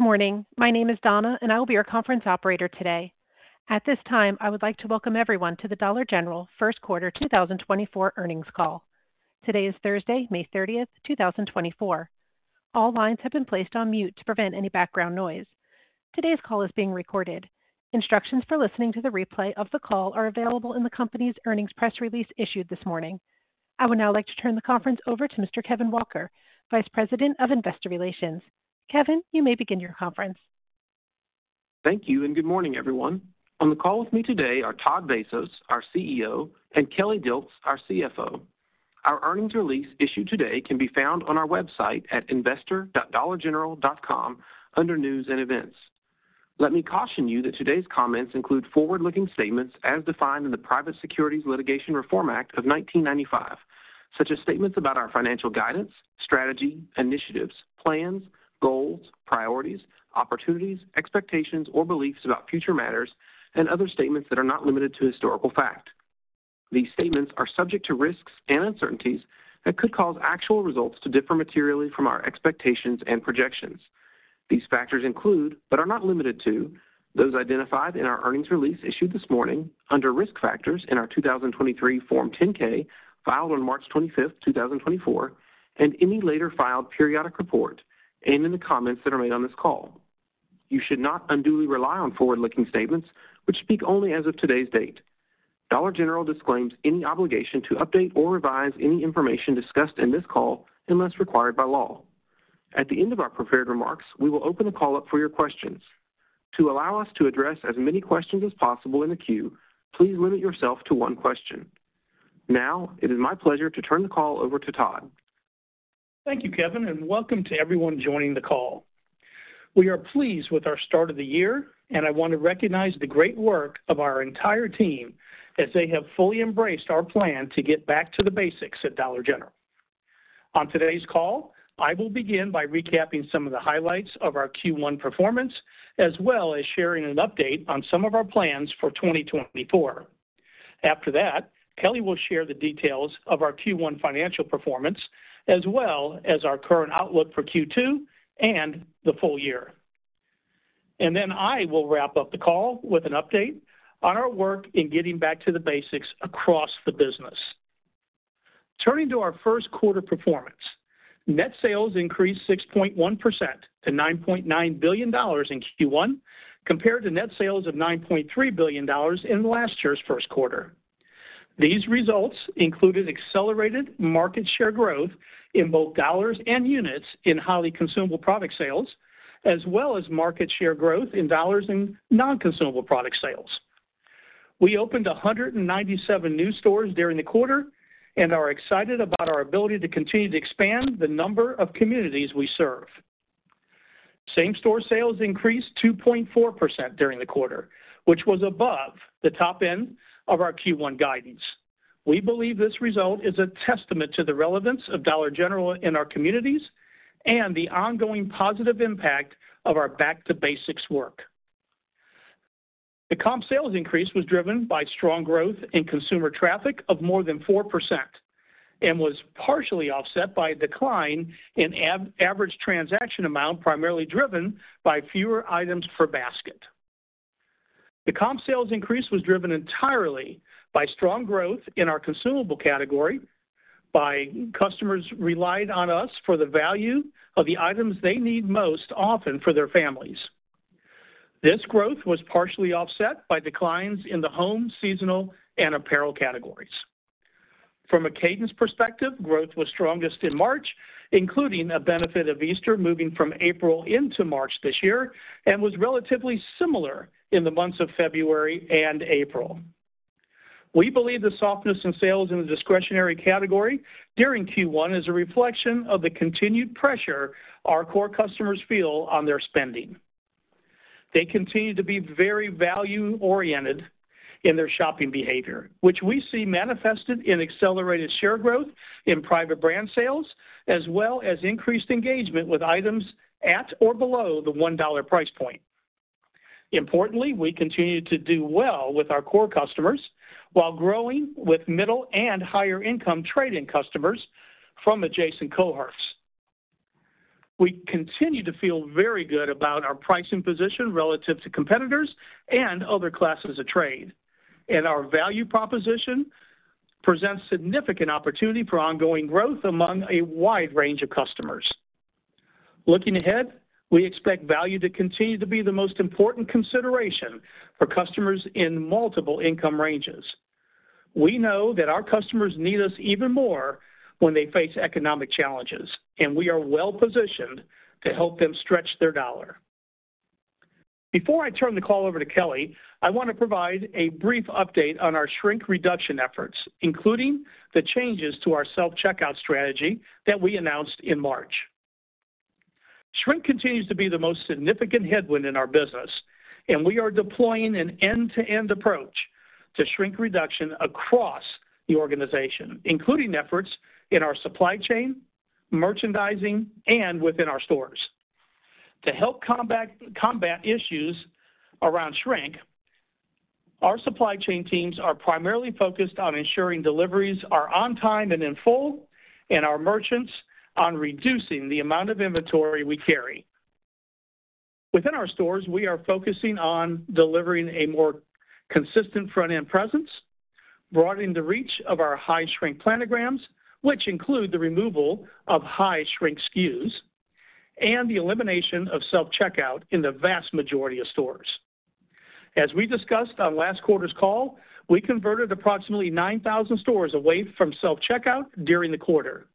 Good morning. My name is Donna, and I will be your conference operator today. At this time, I would like to welcome everyone to the Dollar General First Quarter 2024 earnings call. Today is Thursday, May 30, 2024. All lines have been placed on mute to prevent any background noise. Today's call is being recorded. Instructions for listening to the replay of the call are available in the company's earnings press release issued this morning. I would now like to turn the conference over to Mr. Kevin Walker, Vice President of Investor Relations. Kevin, you may begin your conference. Thank you, and good morning, everyone. On the call with me today are Todd Vasos, our CEO, and Kelly Dilts, our CFO. Our earnings release issued today can be found on our website at investor.dollargeneral.com under News and Events. Let me caution you that today's comments include forward-looking statements as defined in the Private Securities Litigation Reform Act of 1995, such as statements about our financial guidance, strategy, initiatives, plans, goals, priorities, opportunities, expectations, or beliefs about future matters, and other statements that are not limited to historical fact. These statements are subject to risks and uncertainties that could cause actual results to differ materially from our expectations and projections. These factors include, but are not limited to, those identified in our earnings release issued this morning under Risk Factors in our 2023 Form 10-K, filed on March 25, 2024, and any later filed periodic report, and in the comments that are made on this call. You should not unduly rely on forward-looking statements which speak only as of today's date. Dollar General disclaims any obligation to update or revise any information discussed in this call unless required by law. At the end of our prepared remarks, we will open the call up for your questions. To allow us to address as many questions as possible in the queue, please limit yourself to one question. Now, it is my pleasure to turn the call over to Todd. Thank you, Kevin, and welcome to everyone joining the call. We are pleased with our start of the year, and I want to recognize the great work of our entire team as they have fully embraced our plan to get back to the basics at Dollar General. On today's call, I will begin by recapping some of the highlights of our Q1 performance, as well as sharing an update on some of our plans for 2024. After that, Kelly will share the details of our Q1 financial performance, as well as our current outlook for Q2 and the full year. Then I will wrap up the call with an update on our work in getting back to the basics across the business. Turning to our first quarter performance, net sales increased 6.1% to $9.9 billion in Q1, compared to net sales of $9.3 billion in last year's first quarter. These results included accelerated market share growth in both dollars and units in highly consumable product sales, as well as market share growth in dollars in non-consumable product sales. We opened 197 new stores during the quarter and are excited about our ability to continue to expand the number of communities we serve. Same-store sales increased 2.4% during the quarter, which was above the top end of our Q1 guidance. We believe this result is a testament to the relevance of Dollar General in our communities and the ongoing positive impact of our Back to Basics work. The comp sales increase was driven by strong growth in consumer traffic of more than 4% and was partially offset by a decline in average transaction amount, primarily driven by fewer items per basket. The comp sales increase was driven entirely by strong growth in our consumable category by customers relied on us for the value of the items they need most often for their families. This growth was partially offset by declines in the home, seasonal, and apparel categories. From a cadence perspective, growth was strongest in March, including a benefit of Easter moving from April into March this year, and was relatively similar in the months of February and April. We believe the softness in sales in the discretionary category during Q1 is a reflection of the continued pressure our core customers feel on their spending. They continue to be very value-oriented in their shopping behavior, which we see manifested in accelerated share growth in private brand sales, as well as increased engagement with items at or below the $1 price point. Importantly, we continued to do well with our core customers while growing with middle and higher-income trade-in customers from adjacent cohorts. We continue to feel very good about our pricing position relative to competitors and other classes of trade, and our value proposition presents significant opportunity for ongoing growth among a wide range of customers. Looking ahead, we expect value to continue to be the most important consideration for customers in multiple income ranges. We know that our customers need us even more when they face economic challenges, and we are well-positioned to help them stretch their dollar. Before I turn the call over to Kelly, I want to provide a brief update on our shrink reduction efforts, including the changes to our self-checkout strategy that we announced in March. Shrink continues to be the most significant headwind in our business, and we are deploying an end-to-end approach to shrink reduction across the organization, including efforts in our supply chain, merchandising, and within our stores. To help combat issues around shrink. Our supply chain teams are primarily focused on ensuring deliveries are on time and in full, and our merchants on reducing the amount of inventory we carry. Within our stores, we are focusing on delivering a more consistent front-end presence, broadening the reach of our high shrink planograms, which include the removal of high shrink SKUs, and the elimination of self-checkout in the vast majority of stores. As we discussed on last quarter's call, we converted approximately 9,000 stores away from self-checkout during the quarter.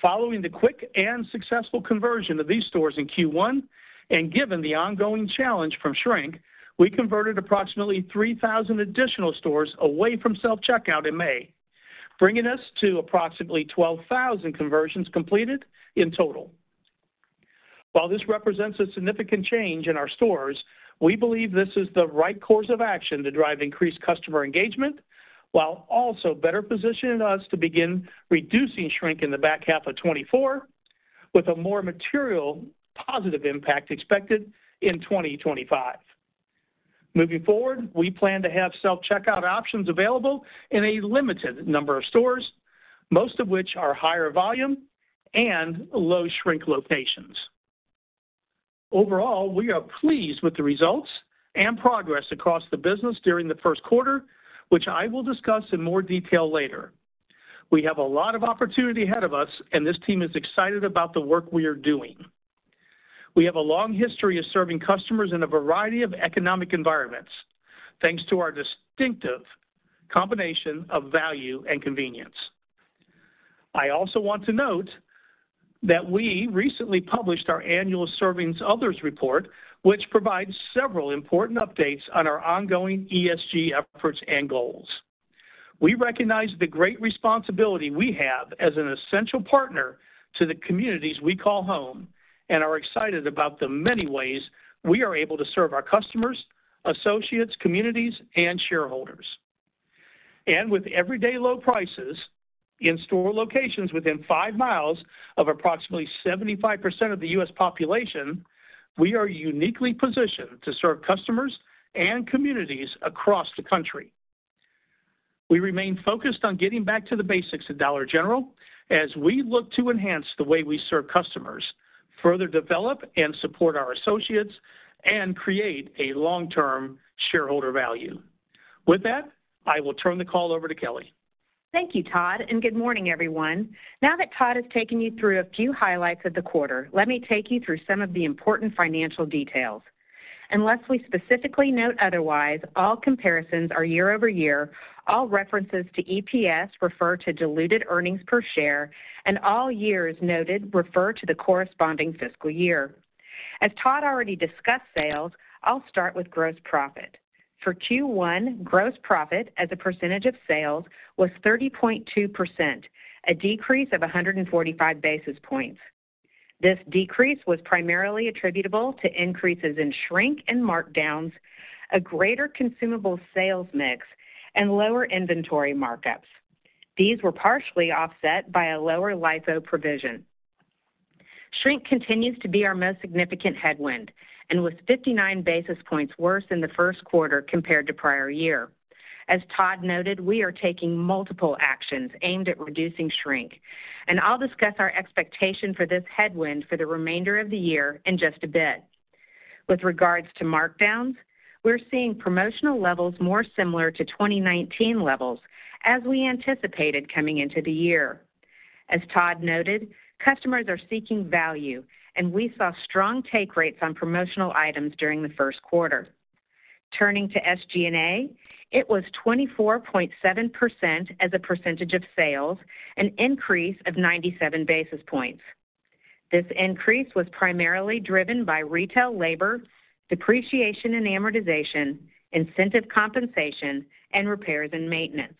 Following the quick and successful conversion of these stores in Q1, and given the ongoing challenge from shrink, we converted approximately 3,000 additional stores away from self-checkout in May, bringing us to approximately 12,000 conversions completed in total. While this represents a significant change in our stores, we believe this is the right course of action to drive increased customer engagement, while also better positioning us to begin reducing shrink in the back half of 2024, with a more material positive impact expected in 2025. Moving forward, we plan to have self-checkout options available in a limited number of stores, most of which are higher volume and low shrink locations. Overall, we are pleased with the results and progress across the business during the first quarter, which I will discuss in more detail later. We have a lot of opportunity ahead of us, and this team is excited about the work we are doing. We have a long history of serving customers in a variety of economic environments, thanks to our distinctive combination of value and convenience. I also want to note that we recently published our annual Serving Others report, which provides several important updates on our ongoing ESG efforts and goals. We recognize the great responsibility we have as an essential partner to the communities we call home, and are excited about the many ways we are able to serve our customers, associates, communities, and shareholders. With everyday low prices in store locations within 5 miles of approximately 75% of the U.S. population, we are uniquely positioned to serve customers and communities across the country. We remain focused on getting back to the basics of Dollar General as we look to enhance the way we serve customers, further develop and support our associates, and create a long-term shareholder value. With that, I will turn the call over to Kelly. Thank you, Todd, and good morning, everyone. Now that Todd has taken you through a few highlights of the quarter, let me take you through some of the important financial details. Unless we specifically note otherwise, all comparisons are year-over-year, all references to EPS refer to diluted earnings per share, and all years noted refer to the corresponding fiscal year. As Todd already discussed sales, I'll start with gross profit. For Q1, gross profit as a percentage of sales was 30.2%, a decrease of 145 basis points. This decrease was primarily attributable to increases in shrink and markdowns, a greater consumable sales mix, and lower inventory markups. These were partially offset by a lower LIFO provision. Shrink continues to be our most significant headwind, and was 59 basis points worse in the first quarter compared to prior year. As Todd noted, we are taking multiple actions aimed at reducing shrink, and I'll discuss our expectation for this headwind for the remainder of the year in just a bit. With regards to markdowns, we're seeing promotional levels more similar to 2019 levels as we anticipated coming into the year. As Todd noted, customers are seeking value, and we saw strong take rates on promotional items during the first quarter. Turning to SG&A, it was 24.7% as a percentage of sales, an increase of 97 basis points. This increase was primarily driven by retail labor, depreciation and amortization, incentive compensation, and repairs and maintenance.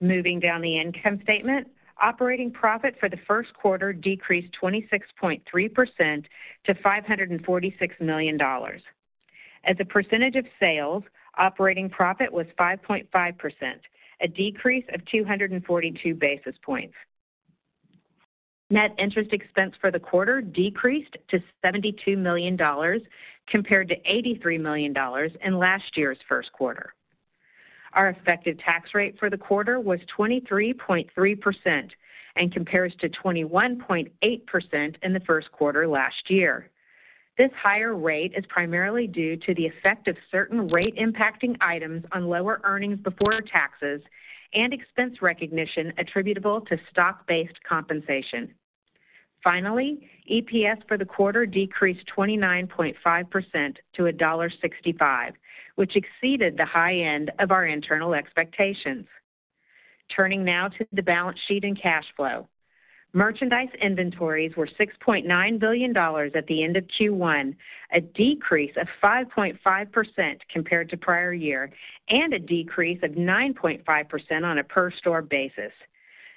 Moving down the income statement, operating profit for the first quarter decreased 26.3% to $546 million. As a percentage of sales, operating profit was 5.5%, a decrease of 242 basis points. Net interest expense for the quarter decreased to $72 million, compared to $83 million in last year's first quarter. Our effective tax rate for the quarter was 23.3% and compares to 21.8% in the first quarter last year. This higher rate is primarily due to the effect of certain rate-impacting items on lower earnings before taxes and expense recognition attributable to stock-based compensation. Finally, EPS for the quarter decreased 29.5% to $1.65, which exceeded the high end of our internal expectations. Turning now to the balance sheet and cash flow. Merchandise inventories were $6.9 billion at the end of Q1, a decrease of 5.5% compared to prior year and a decrease of 9.5% on a per store basis.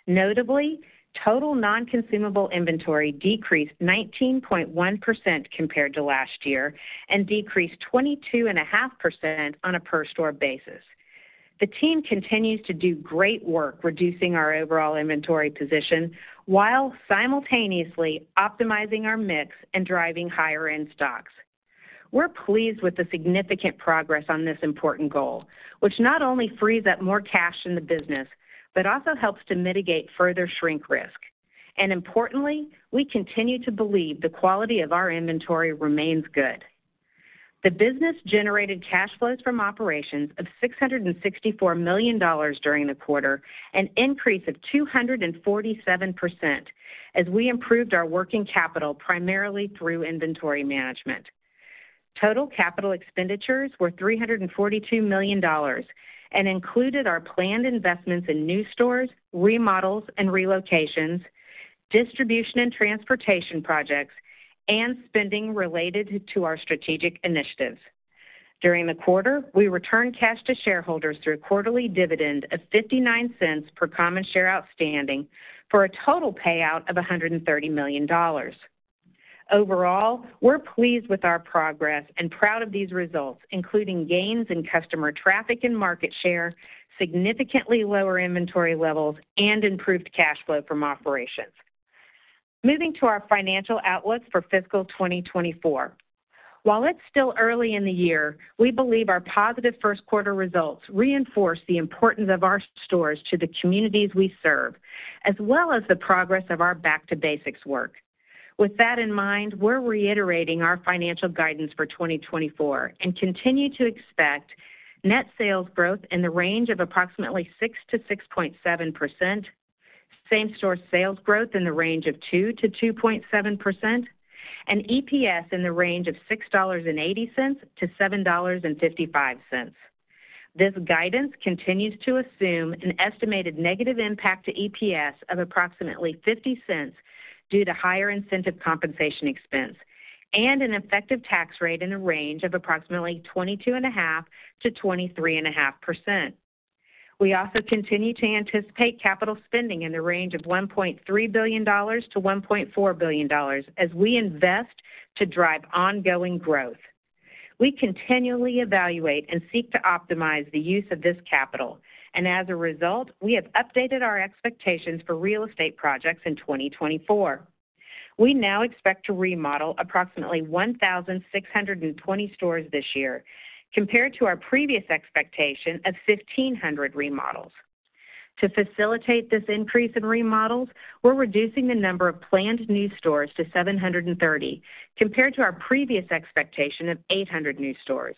Notably, total non-consumable inventory decreased 19.1% compared to last year and decreased 22.5% on a per store basis. The team continues to do great work reducing our overall inventory position, while simultaneously optimizing our mix and driving higher in-stocks. We're pleased with the significant progress on this important goal, which not only frees up more cash in the business, but also helps to mitigate further shrink risk. And importantly, we continue to believe the quality of our inventory remains good. The business generated cash flows from operations of $664 million during the quarter, an increase of 247%, as we improved our working capital, primarily through inventory management. Total capital expenditures were $342 million, and included our planned investments in new stores, remodels and relocations, distribution and transportation projects, and spending related to our strategic initiatives. During the quarter, we returned cash to shareholders through a quarterly dividend of $0.59 per common share outstanding, for a total payout of $130 million. Overall, we're pleased with our progress and proud of these results, including gains in customer traffic and market share, significantly lower inventory levels, and improved cash flow from operations. Moving to our financial outlook for fiscal 2024. While it's still early in the year, we believe our positive first quarter results reinforce the importance of our stores to the communities we serve, as well as the progress of our Back to Basics work. With that in mind, we're reiterating our financial guidance for 2024, and continue to expect net sales growth in the range of approximately 6%-6.7%, same-store sales growth in the range of 2%-2.7%, and EPS in the range of $6.80-$7.55. This guidance continues to assume an estimated negative impact to EPS of approximately $0.50 due to higher incentive compensation expense and an effective tax rate in the range of approximately 22.5%-23.5%. We also continue to anticipate capital spending in the range of $1.3 billion-$1.4 billion, as we invest to drive ongoing growth. We continually evaluate and seek to optimize the use of this capital, and as a result, we have updated our expectations for real estate projects in 2024. We now expect to remodel approximately 1,620 stores this year, compared to our previous expectation of 1,500 remodels. To facilitate this increase in remodels, we're reducing the number of planned new stores to 730, compared to our previous expectation of 800 new stores.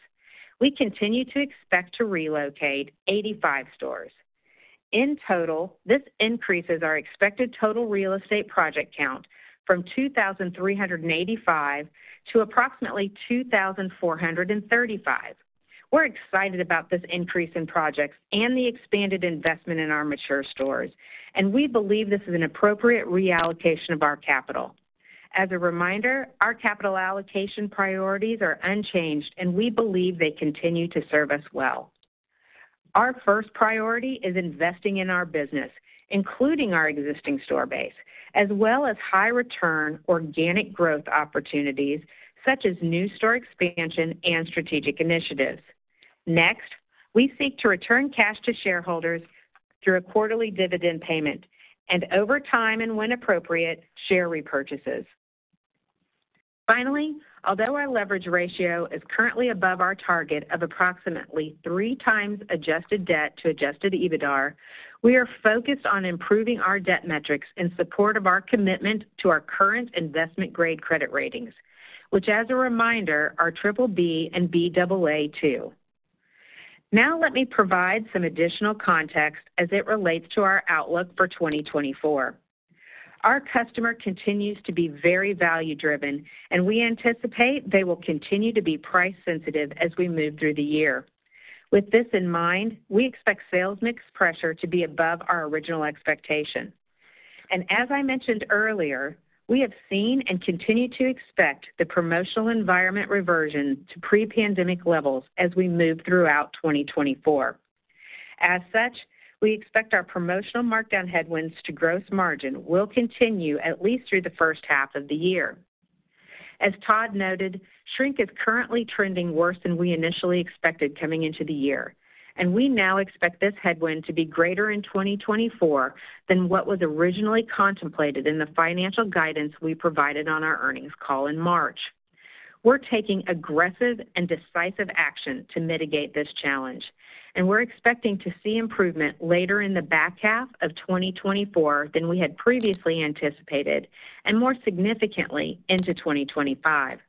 We continue to expect to relocate 85 stores. In total, this increases our expected total real estate project count from 2,385 to approximately 2,435. We're excited about this increase in projects and the expanded investment in our mature stores, and we believe this is an appropriate reallocation of our capital. As a reminder, our capital allocation priorities are unchanged, and we believe they continue to serve us well. Our first priority is investing in our business, including our existing store base, as well as high return organic growth opportunities, such as new store expansion and strategic initiatives. Next, we seek to return cash to shareholders through a quarterly dividend payment, and over time and when appropriate, share repurchases. Finally, although our leverage ratio is currently above our target of approximately three times adjusted debt to Adjusted EBITDAR, we are focused on improving our debt metrics in support of our commitment to our current investment-grade credit ratings, which, as a reminder, are BBB and Baa2. Now let me provide some additional context as it relates to our outlook for 2024. Our customer continues to be very value-driven, and we anticipate they will continue to be price sensitive as we move through the year. With this in mind, we expect sales mix pressure to be above our original expectation. As I mentioned earlier, we have seen and continue to expect the promotional environment reversion to pre-pandemic levels as we move throughout 2024. As such, we expect our promotional markdown headwinds to gross margin will continue at least through the first half of the year. As Todd noted, shrink is currently trending worse than we initially expected coming into the year, and we now expect this headwind to be greater in 2024 than what was originally contemplated in the financial guidance we provided on our earnings call in March. We're taking aggressive and decisive action to mitigate this challenge, and we're expecting to see improvement later in the back half of 2024 than we had previously anticipated, and more significantly into 2025.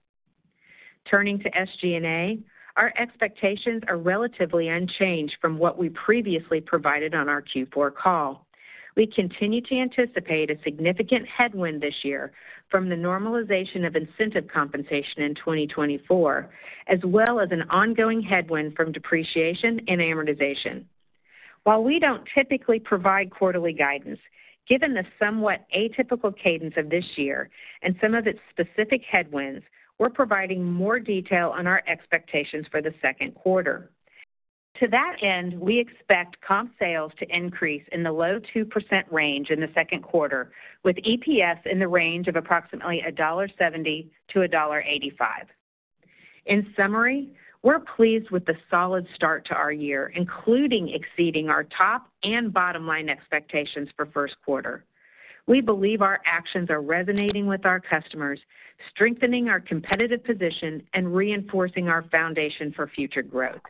Turning to SG&A, our expectations are relatively unchanged from what we previously provided on our Q4 call. We continue to anticipate a significant headwind this year from the normalization of incentive compensation in 2024, as well as an ongoing headwind from depreciation and amortization. While we don't typically provide quarterly guidance, given the somewhat atypical cadence of this year and some of its specific headwinds, we're providing more detail on our expectations for the second quarter. To that end, we expect comp sales to increase in the low 2% range in the second quarter, with EPS in the range of approximately $1.70-$1.85.... In summary, we're pleased with the solid start to our year, including exceeding our top- and bottom-line expectations for first quarter. We believe our actions are resonating with our customers, strengthening our competitive position, and reinforcing our foundation for future growth.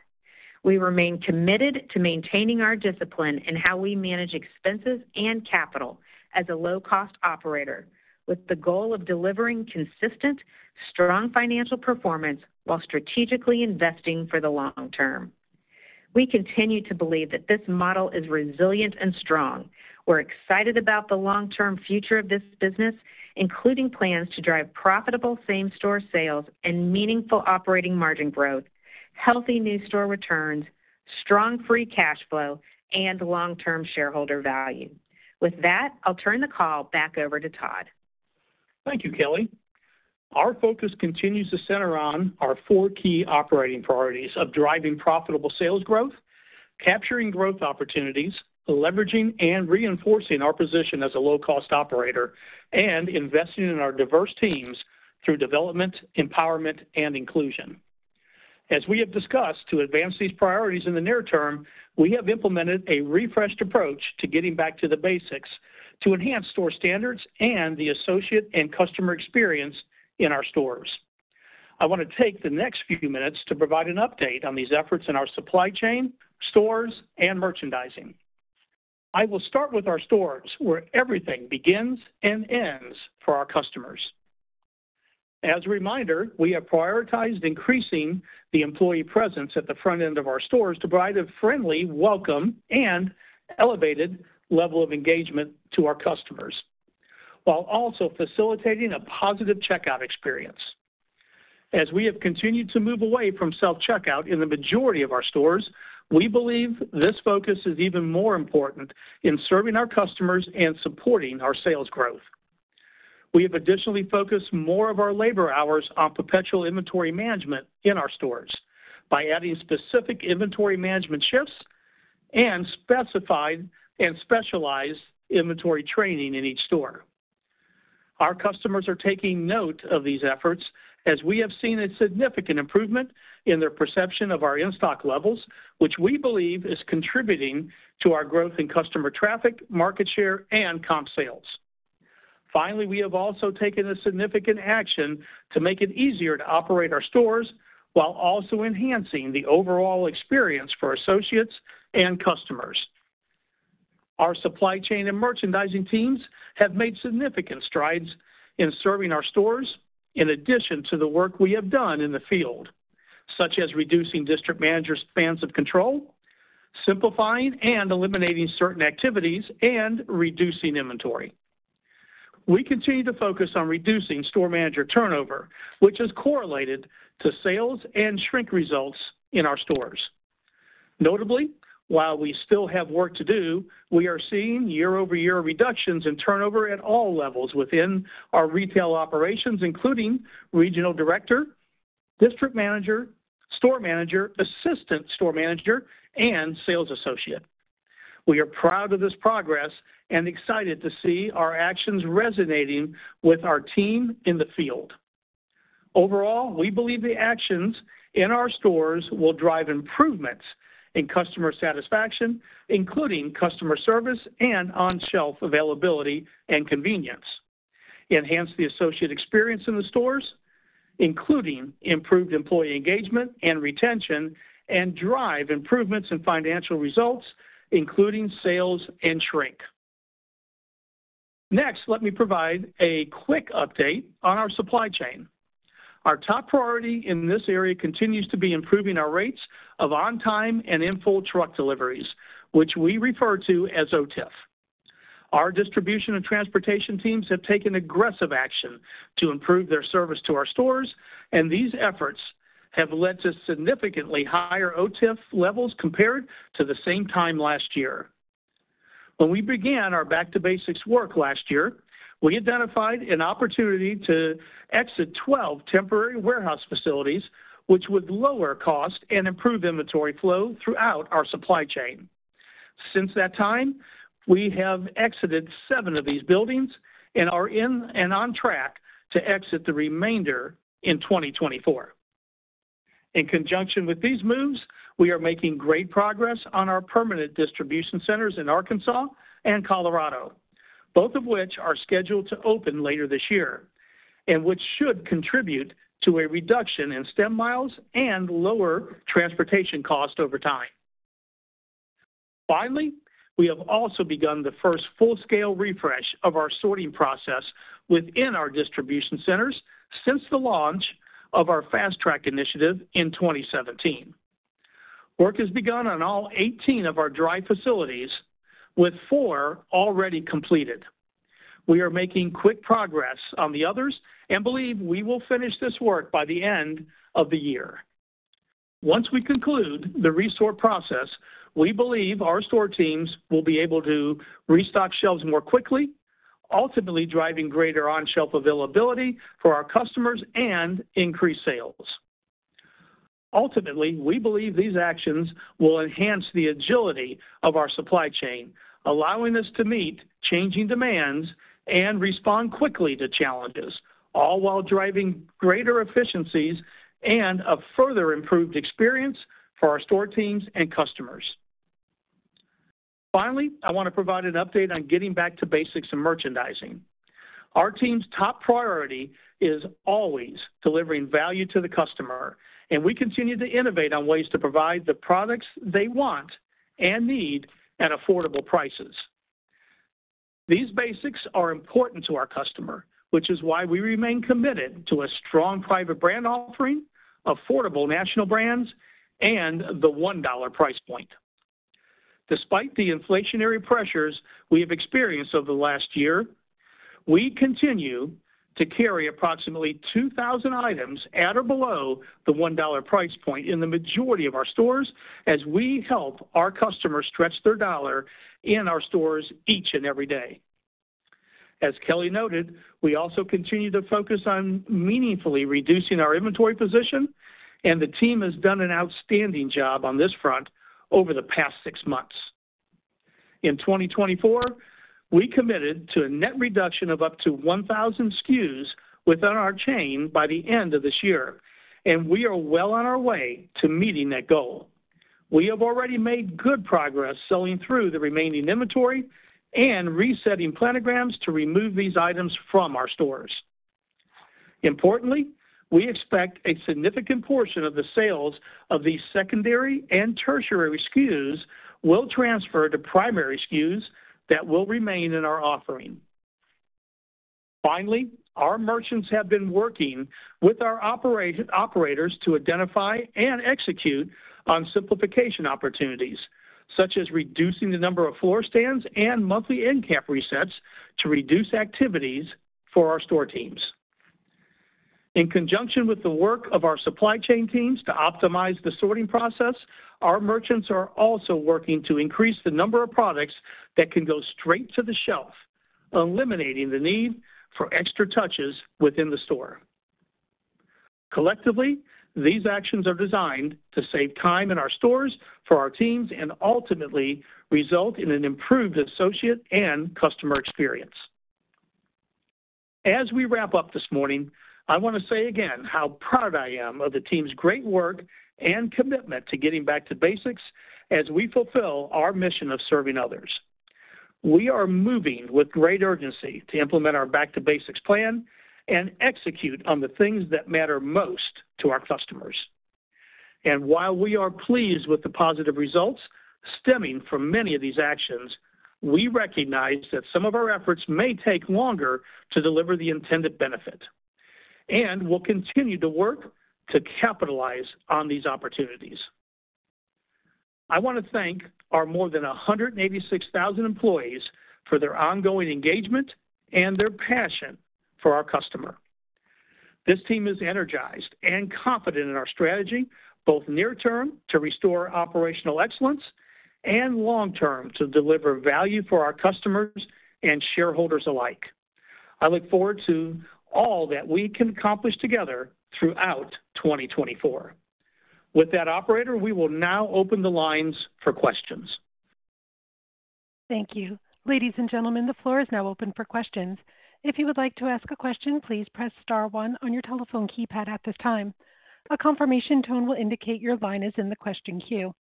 We remain committed to maintaining our discipline in how we manage expenses and capital as a low-cost operator, with the goal of delivering consistent, strong financial performance while strategically investing for the long term. We continue to believe that this model is resilient and strong. We're excited about the long-term future of this business, including plans to drive profitable same-store sales and meaningful operating margin growth, healthy new store returns, strong free cash flow, and long-term shareholder value. With that, I'll turn the call back over to Todd. Thank you, Kelly. Our focus continues to center on our four key operating priorities of driving profitable sales growth, capturing growth opportunities, leveraging and reinforcing our position as a low-cost operator, and investing in our diverse teams through development, empowerment, and inclusion. As we have discussed, to advance these priorities in the near term, we have implemented a refreshed approach to getting Back to Basics to enhance store standards and the associate and customer experience in our stores. I want to take the next few minutes to provide an update on these efforts in our supply chain, stores, and merchandising. I will start with our stores, where everything begins and ends for our customers. As a reminder, we have prioritized increasing the employee presence at the front end of our stores to provide a friendly welcome and elevated level of engagement to our customers, while also facilitating a positive checkout experience. As we have continued to move away from self-checkout in the majority of our stores, we believe this focus is even more important in serving our customers and supporting our sales growth. We have additionally focused more of our labor hours on perpetual inventory management in our stores by adding specific inventory management shifts and specified and specialized inventory training in each store. Our customers are taking note of these efforts, as we have seen a significant improvement in their perception of our in-stock levels, which we believe is contributing to our growth in customer traffic, market share, and comp sales. Finally, we have also taken a significant action to make it easier to operate our stores while also enhancing the overall experience for associates and customers. Our supply chain and merchandising teams have made significant strides in serving our stores, in addition to the work we have done in the field, such as reducing district manager spans of control, simplifying and eliminating certain activities, and reducing inventory. We continue to focus on reducing store manager turnover, which is correlated to sales and shrink results in our stores. Notably, while we still have work to do, we are seeing year-over-year reductions in turnover at all levels within our retail operations, including regional director, district manager, store manager, assistant store manager, and sales associate. We are proud of this progress and excited to see our actions resonating with our team in the field. Overall, we believe the actions in our stores will drive improvements in customer satisfaction, including customer service and on-shelf availability and convenience, enhance the associate experience in the stores, including improved employee engagement and retention, and drive improvements in financial results, including sales and shrink. Next, let me provide a quick update on our supply chain. Our top priority in this area continues to be improving our rates of on-time and in-full truck deliveries, which we refer to as OTIF. Our distribution and transportation teams have taken aggressive action to improve their service to our stores, and these efforts have led to significantly higher OTIF levels compared to the same time last year. When we began our Back to Basics work last year, we identified an opportunity to exit 12 temporary warehouse facilities, which would lower cost and improve inventory flow throughout our supply chain. Since that time, we have exited seven of these buildings and are on track to exit the remainder in 2024. In conjunction with these moves, we are making great progress on our permanent distribution centers in Arkansas and Colorado, both of which are scheduled to open later this year, and which should contribute to a reduction in truck miles and lower transportation cost over time. Finally, we have also begun the first full-scale refresh of our sorting process within our distribution centers since the launch of our Fast Track initiative in 2017. Work has begun on all 18 of our dry facilities, with four already completed. We are making quick progress on the others and believe we will finish this work by the end of the year. Once we conclude the re-sort process, we believe our store teams will be able to restock shelves more quickly, ultimately driving greater on-shelf availability for our customers and increased sales. Ultimately, we believe these actions will enhance the agility of our supply chain, allowing us to meet changing demands and respond quickly to challenges, all while driving greater efficiencies and a further improved experience for our store teams and customers. Finally, I want to provide an update on getting Back to Basics in merchandising. Our team's top priority is always delivering value to the customer, and we continue to innovate on ways to provide the products they want and need at affordable prices. These basics are important to our customer, which is why we remain committed to a strong private brand offering, affordable national brands, and the $1 price point. Despite the inflationary pressures we have experienced over the last year, we continue to carry approximately 2,000 items at or below the $1 price point in the majority of our stores, as we help our customers stretch their dollar in our stores each and every day. As Kelly noted, we also continue to focus on meaningfully reducing our inventory position, and the team has done an outstanding job on this front over the past six months. In 2024, we committed to a net reduction of up to 1,000 SKUs within our chain by the end of this year, and we are well on our way to meeting that goal. We have already made good progress selling through the remaining inventory and resetting planograms to remove these items from our stores. Importantly, we expect a significant portion of the sales of these secondary and tertiary SKUs will transfer to primary SKUs that will remain in our offering. Finally, our merchants have been working with our operators to identify and execute on simplification opportunities, such as reducing the number of floor stands and monthly end cap resets to reduce activities for our store teams. In conjunction with the work of our supply chain teams to optimize the sorting process, our merchants are also working to increase the number of products that can go straight to the shelf, eliminating the need for extra touches within the store. Collectively, these actions are designed to save time in our stores for our teams and ultimately result in an improved associate and customer experience. As we wrap up this morning, I want to say again, how proud I am of the team's great work and commitment to getting Back to Basics as we fulfill our mission of Serving Others. We are moving with great urgency to implement our Back to Basics plan and execute on the things that matter most to our customers. And while we are pleased with the positive results stemming from many of these actions, we recognize that some of our efforts may take longer to deliver the intended benefit and will continue to work to capitalize on these opportunities. I want to thank our more than 186,000 employees for their ongoing engagement and their passion for our customer. This team is energized and confident in our strategy, both near term, to restore operational excellence, and long-term, to deliver value for our customers and shareholders alike. I look forward to all that we can accomplish together throughout 2024. With that, operator, we will now open the lines for questions. Thank you. Ladies and gentlemen, the floor is now open for questions. If you would like to ask a question, please press star one on your telephone keypad at this time. A confirmation tone will indicate your line is in the question queue.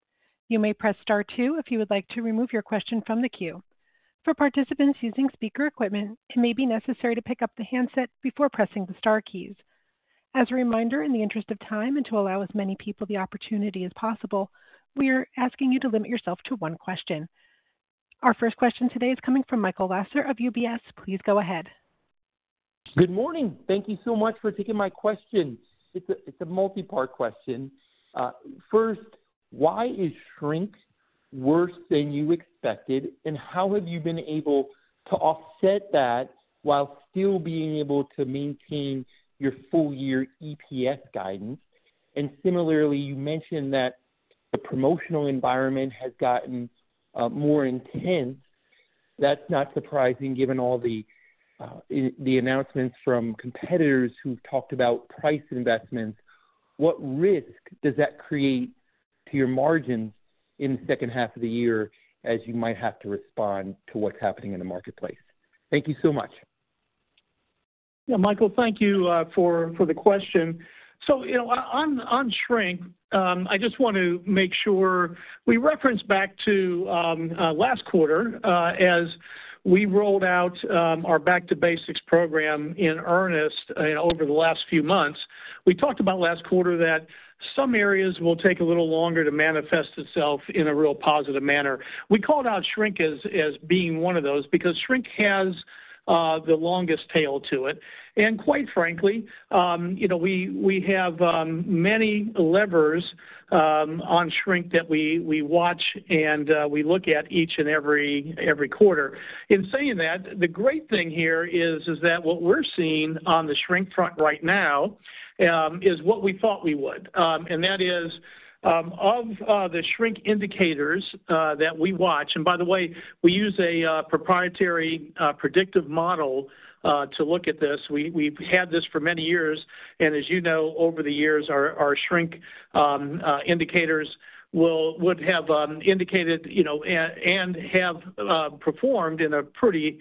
You may press star two if you would like to remove your question from the queue. For participants using speaker equipment, it may be necessary to pick up the handset before pressing the star keys. As a reminder, in the interest of time and to allow as many people the opportunity as possible, we are asking you to limit yourself to one question. Our first question today is coming from Michael Lasser of UBS. Please go ahead. Good morning. Thank you so much for taking my question. It's a multi-part question. First, why is shrink worse than you expected, and how have you been able to offset that while still being able to maintain your full year EPS guidance? And similarly, you mentioned that the promotional environment has gotten more intense. That's not surprising, given all the announcements from competitors who've talked about price investments. What risk does that create to your margins in the second half of the year, as you might have to respond to what's happening in the marketplace? Thank you so much. Yeah, Michael, thank you for the question. So, you know, on shrink, I just want to make sure we reference back to last quarter as we rolled out our Back to Basics program in earnest over the last few months. We talked about last quarter that some areas will take a little longer to manifest itself in a real positive manner. We called out shrink as being one of those, because shrink has the longest tail to it. And quite frankly, you know, we have many levers on shrink that we watch and we look at each and every quarter. In saying that, the great thing here is that what we're seeing on the shrink front right now is what we thought we would. And that is-... Of the shrink indicators that we watch, and by the way, we use a proprietary predictive model to look at this. We've had this for many years, and as you know, over the years, our shrink indicators would have indicated, you know, and have performed in a pretty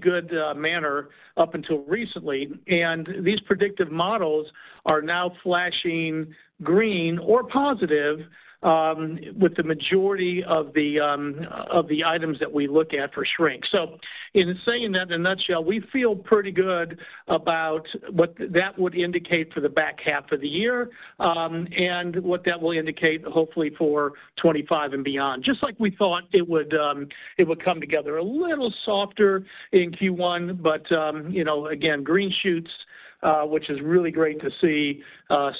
good manner up until recently. And these predictive models are now flashing green or positive with the majority of the items that we look at for shrink. So in saying that, in a nutshell, we feel pretty good about what that would indicate for the back half of the year, and what that will indicate, hopefully, for 2025 and beyond. Just like we thought it would come together a little softer in Q1, but, you know, again, green shoots, which is really great to see,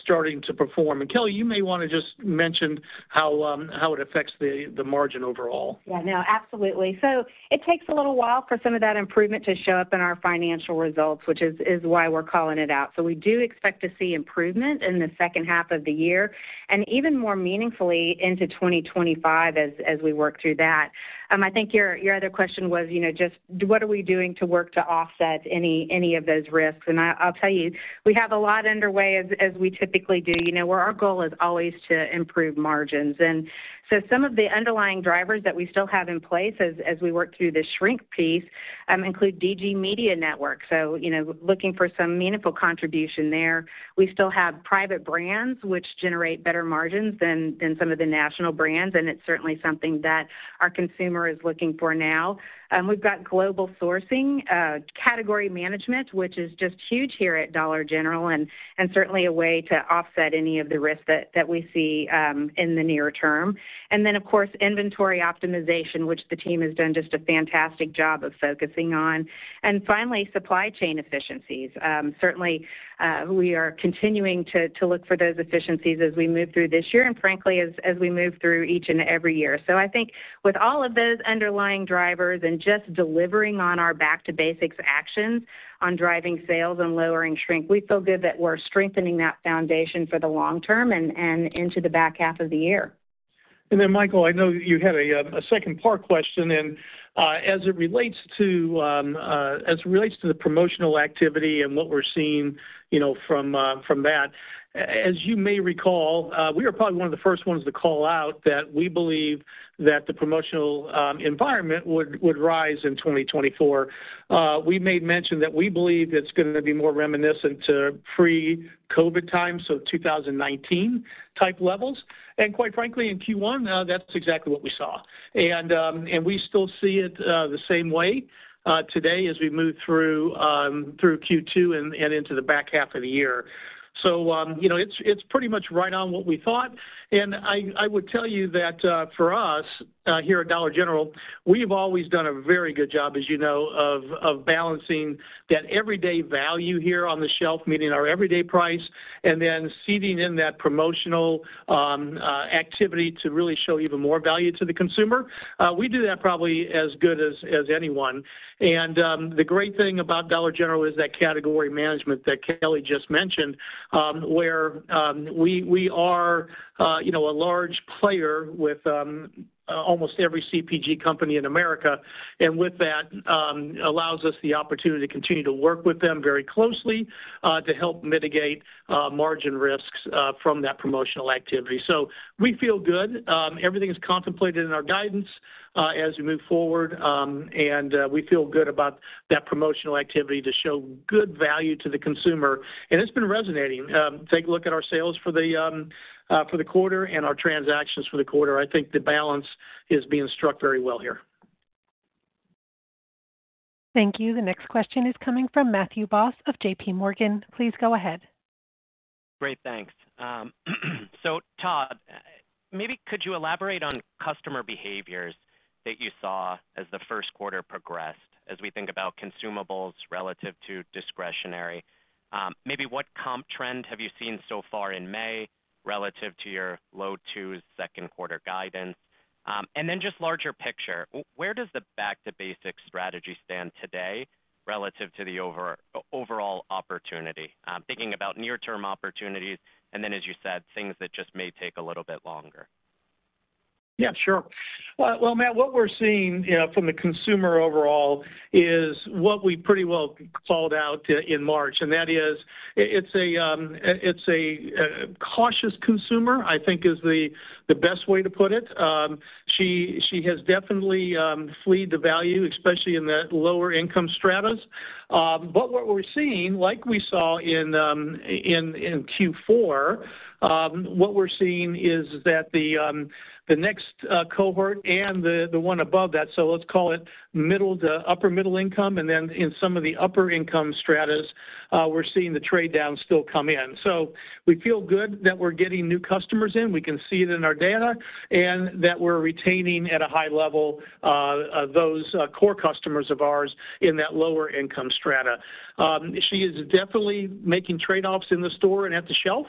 starting to perform. And, Kelly, you may wanna just mention how it affects the margin overall. Yeah, no, absolutely. So it takes a little while for some of that improvement to show up in our financial results, which is why we're calling it out. So we do expect to see improvement in the second half of the year, and even more meaningfully into 2025 as we work through that. I think your other question was, you know, just what are we doing to work to offset any of those risks? And I'll tell you, we have a lot underway as we typically do, you know, where our goal is always to improve margins. And so some of the underlying drivers that we still have in place as we work through this shrink piece include DG Media Network. So you know, looking for some meaningful contribution there. We still have private brands, which generate better margins than some of the national brands, and it's certainly something that our consumer is looking for now. We've got global sourcing, category management, which is just huge here at Dollar General, and certainly a way to offset any of the risks that we see in the near term. Then, of course, inventory optimization, which the team has done just a fantastic job of focusing on. Finally, supply chain efficiencies. Certainly, we are continuing to look for those efficiencies as we move through this year, and frankly, as we move through each and every year. I think with all of those underlying drivers and just delivering on our Back to Basics actions on driving sales and lowering Shrink, we feel good that we're strengthening that foundation for the long term and into the back half of the year. And then, Michael, I know you had a second part question, and as it relates to the promotional activity and what we're seeing, you know, from that, as you may recall, we are probably one of the first ones to call out that we believe that the promotional environment would rise in 2024. We made mention that we believe it's gonna be more reminiscent to pre-COVID times, so 2019 type levels. And quite frankly, in Q1, that's exactly what we saw. And we still see it the same way today as we move through Q2 and into the back half of the year. So you know, it's pretty much right on what we thought. And I would tell you that, for us, here at Dollar General, we've always done a very good job, as you know, of balancing that everyday value here on the shelf, meaning our everyday price, and then seeding in that promotional activity to really show even more value to the consumer. We do that probably as good as anyone. And the great thing about Dollar General is that category management that Kelly just mentioned, where we are, you know, a large player with almost every CPG company in America, and with that allows us the opportunity to continue to work with them very closely to help mitigate margin risks from that promotional activity. So we feel good. Everything is contemplated in our guidance, as we move forward, and we feel good about that promotional activity to show good value to the consumer. And it's been resonating. Take a look at our sales for the quarter and our transactions for the quarter. I think the balance is being struck very well here. Thank you. The next question is coming from Matthew Boss of JPMorgan. Please go ahead. Great, thanks. So Todd, maybe could you elaborate on customer behaviors that you saw as the first quarter progressed, as we think about consumables relative to discretionary? Maybe what comp trend have you seen so far in May, relative to your low two second quarter guidance? And then just larger picture, where does the Back to Basics strategy stand today relative to the overall opportunity? Thinking about near-term opportunities, and then, as you said, things that just may take a little bit longer. Yeah, sure. Well, well, Matt, what we're seeing, you know, from the consumer overall is what we pretty well called out in March, and that is, it's a cautious consumer, I think is the best way to put it. She, she has definitely fled the value, especially in the lower income strata. But what we're seeing, like we saw in Q4, what we're seeing is that the next cohort and the one above that, so let's call it middle to upper middle income, and then in some of the upper income strata, we're seeing the trade-down still come in. So we feel good that we're getting new customers in, we can see it in our data, and that we're retaining at a high level, those core customers of ours in that lower income strata. She is definitely making trade-offs in the store and at the shelf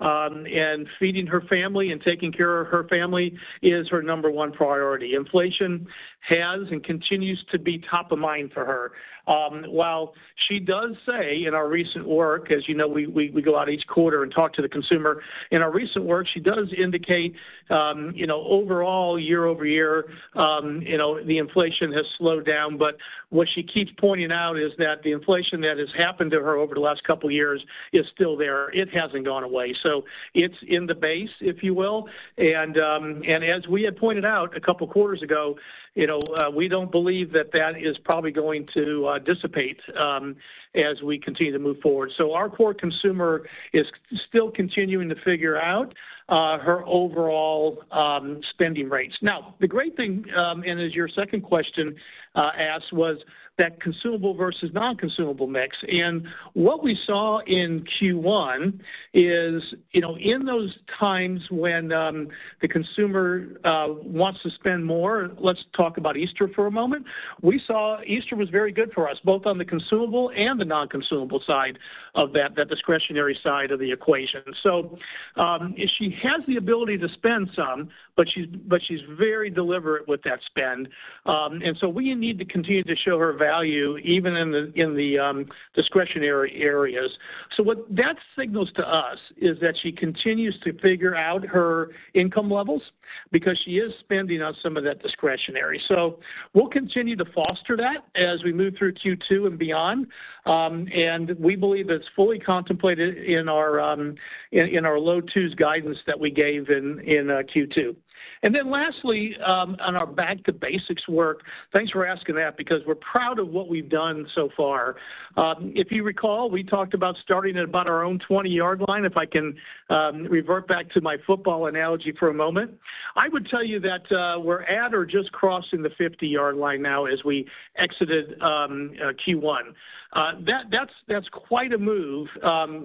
and feeding her family and taking care of her family is her number one priority. Inflation has and continues to be top of mind for her. While she does say in our recent work, as you know, we go out each quarter and talk to the consumer. In our recent work, she does indicate, you know, overall, year-over-year, you know, the inflation has slowed down. But what she keeps pointing out is that the inflation that has happened to her over the last couple of years is still there. It hasn't gone away. So it's in the base, if you will, and, and as we had pointed out a couple of quarters ago, you know, we don't believe that that is probably going to, dissipate, as we continue to move forward. So our core consumer is still continuing to figure out, her overall, spending rates. Now, the great thing, and as your second question, asked, was that consumable versus non-consumable mix. And what we saw in Q1 is, you know, in those times when, the consumer, wants to spend more, let's talk about Easter for a moment. We saw Easter was very good for us, both on the consumable and the non-consumable side of that, that discretionary side of the equation. So, she has the ability to spend some, but she's, but she's very deliberate with that spend. And so we need to continue to show her value, even in the, in the, discretionary areas. So what that signals to us is that she continues to figure out her income levels because she is spending on some of that discretionary. So we'll continue to foster that as we move through Q2 and beyond. And we believe it's fully contemplated in our, in, in our low twos guidance that we gave in, in, Q2. And then lastly, on our Back to Basics work, thanks for asking that, because we're proud of what we've done so far. If you recall, we talked about starting at about our own 20-yard line, if I can, revert back to my football analogy for a moment. I would tell you that we're at or just crossing the fifty-yard line now as we exited Q1. That's quite a move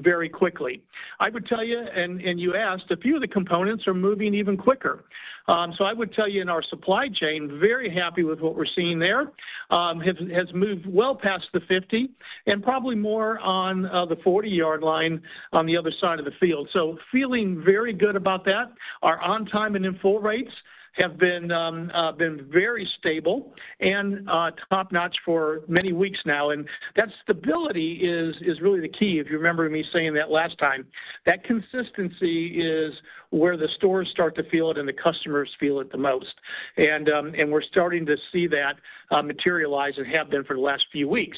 very quickly. I would tell you, and you asked, a few of the components are moving even quicker. So I would tell you, in our supply chain, very happy with what we're seeing there. Has moved well past the fifty and probably more on the forty-yard line on the other side of the field, so feeling very good about that. Our on-time and in-full rates have been very stable and top-notch for many weeks now, and that stability is really the key, if you remember me saying that last time. That consistency is where the stores start to feel it and the customers feel it the most. And we're starting to see that materialize and have been for the last few weeks.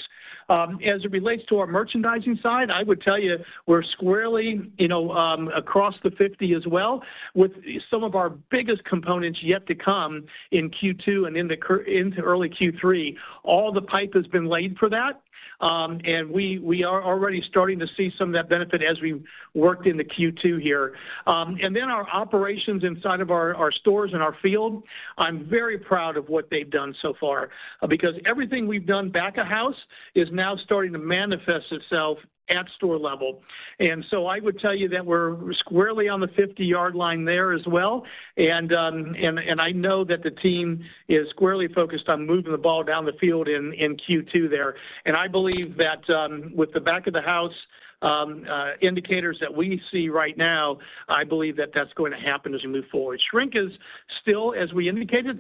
As it relates to our merchandising side, I would tell you we're squarely, you know, across the 50 as well, with some of our biggest components yet to come in Q2 and into early Q3. All the pipe has been laid for that, and we are already starting to see some of that benefit as we worked into Q2 here. And then our operations inside of our stores and our field, I'm very proud of what they've done so far, because everything we've done back of house is now starting to manifest itself at store level. And so I would tell you that we're squarely on the 50-yard line there as well. I know that the team is squarely focused on moving the ball down the field in Q2 there. And I believe that with the back of the house indicators that we see right now, I believe that that's going to happen as we move forward. Shrink is still, as we indicated,